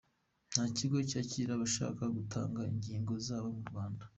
Nta kigo cyakira abashaka gutanga ingingo zabo mu Rwanda.